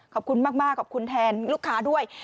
ขอบคุณมากขอบคุณแทนลูกค้าด้วย